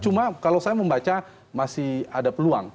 cuma kalau saya membaca masih ada peluang